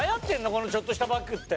このちょっとしたバッグって。